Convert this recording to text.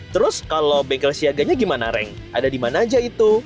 terus kalau bengkel siaganya gimana reng ada di mana aja itu